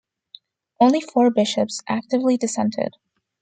Only four bishops actively dissented.